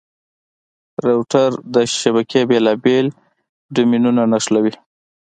روټر د شبکې بېلابېل ډومېنونه نښلوي.